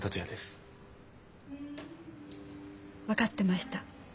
分かってました。